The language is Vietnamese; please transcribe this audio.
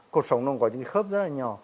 cuộc sống nó có những cái khớp rất là nhỏ